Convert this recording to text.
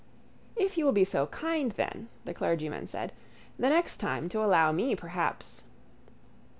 —If you will be so kind then, the clergyman said, the next time to allow me perhaps...